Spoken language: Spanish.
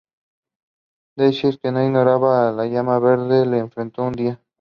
Darkseid, que no ignoraba a la Llama Verde, lo enfrentó un día.